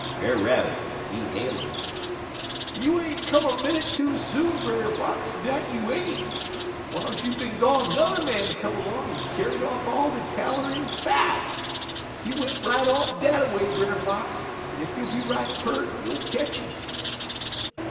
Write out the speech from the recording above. Brer Rabbit, he hail 'im: "'You ain't come a minnit too soon, Brer Fox, dat you ain't. W'iles you bin gone 'n'er man come 'long en kyar'd off all de taller en fat. He went right off dat a way, Brer Fox, en ef you'll be right peart, you'll ketch 'im.'